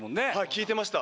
聞いてました。